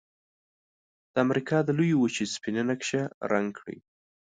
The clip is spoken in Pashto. د امریکا د لویې وچې سپینه نقشه رنګ کړئ.